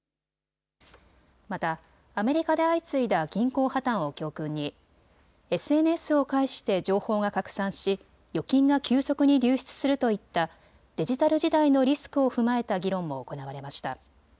またアメリカで相次いだ銀行破綻を教訓にＳＮＳを介して情報が拡散し預金が急速に流出するといったデジタル時代のリスクを踏まえた議論も行われました。